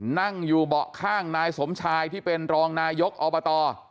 นั่งอยู่เบาะข้างนายสมชายที่เป็นรองนายกอบต